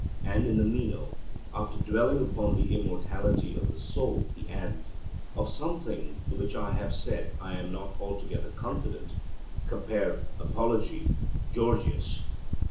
And in the Meno, after dwelling upon the immortality of the soul, he adds, 'Of some things which I have said I am not altogether confident' (compare Apology; Gorgias).